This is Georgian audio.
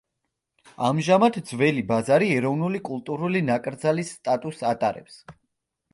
ამჟამად ძველი ბაზარი ეროვნული კულტურული ნაკრძალის სტატუსს ატარებს.